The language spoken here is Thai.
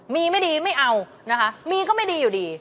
มีไม่ดีไม่เอานะคะมีก็ไม่ดีอยู่ดี